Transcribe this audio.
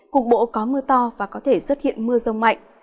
cục bộ có mưa to và có thể xuất hiện mưa rông mạnh